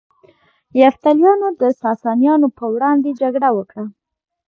یفتلیانو د ساسانیانو پر وړاندې جګړه وکړه